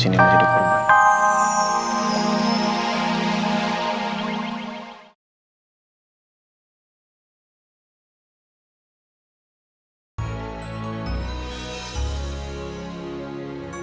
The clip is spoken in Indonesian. mungkin di pikiran om irvan